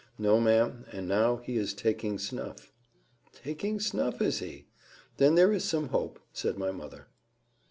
"No, ma'am; and now he is taking snuff." "Taking snuff! is he? Then there is some hope," said my mother.